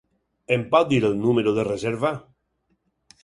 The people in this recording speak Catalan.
Em pot dir el número de reserva?